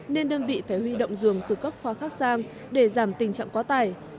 nên đơn vị phải huy động dường từ các khoa khác sang để giảm tình trạng quá tải